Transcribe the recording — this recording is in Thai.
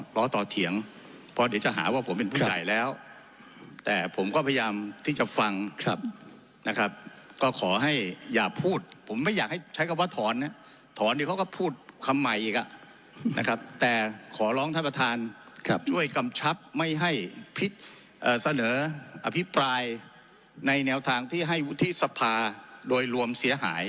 ผลละต่อเถียงผมจะหาว่าผมมันผู้ใหญ่แล้วแต่ผมก็พยายามที่จะฟังนะครับก็ขอให้อย่าพูดผมไม่อยากให้ใช้คำว่าถอนน่ะถอนที่เขาก็พูดคำใหม่อีกนะครับแต่ขอร้องท่านประทานครับด้วยกำไม่ให้พิษเอ่อเสนออภิปราย